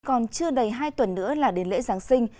còn chưa đầy hai tuần nữa là đến lễ giáng sinh